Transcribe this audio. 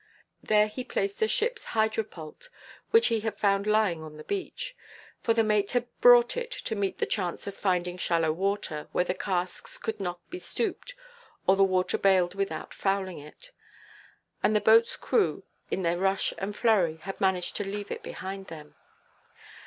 There he placed the shipʼs hydropult, which he had found lying on the beach; for the mate had brought it to meet the chance of finding shallow water, where the casks could not be stooped or the water bailed without fouling it; and the boatʼs crew, in their rush and flurry, had managed to leave it behind them.